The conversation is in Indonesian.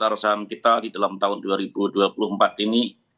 perusahaan kita di dalam tahun dua ribu dua puluh empat ini